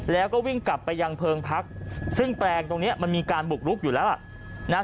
แล้วก็วิ่งกลับไปยังเพิงพักซึ่งแปลงตรงนี้มันมีการบุกลุกอยู่แล้วอ่ะนะฮะ